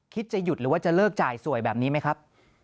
จะหยุดหรือว่าจะเลิกจ่ายสวยแบบนี้ไหมครับ